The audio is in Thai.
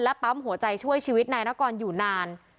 ปั๊มหัวใจช่วยชีวิตนายนกรอยู่นาน